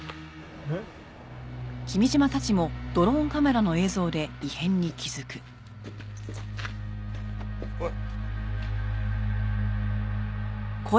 えっ？おい。